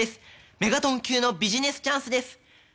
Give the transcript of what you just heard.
メガトン級のビジネスチャンスです！